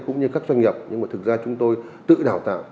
cũng như các doanh nghiệp nhưng mà thực ra chúng tôi tự đào tạo